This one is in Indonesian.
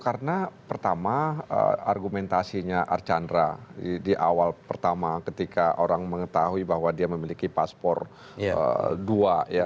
karena pertama argumentasinya archandra di awal pertama ketika orang mengetahui bahwa dia memiliki paspor dua